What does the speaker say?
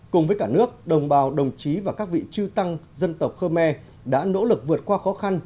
cùng với cả nước đồng bào đồng chí và các vị trư tăng dân tộc khơ me đã nỗ lực vượt qua khó khăn